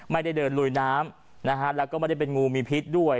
ไม่ได้เดินลุยน้ำนะฮะแล้วก็ไม่ได้เป็นงูมีพิษด้วย